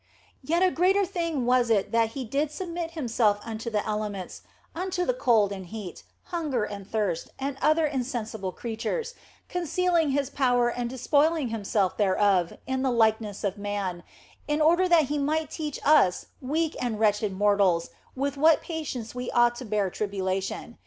A yet greater thing was it that He did submit Himself unto the elements, unto cold and heat, hunger and thirst, and other insensible creatures, concealing His power and despoiling Himself thereof in the likeness of man, in order that He might teach us weak and wretched mortals with what patience we ought to bear tribulation.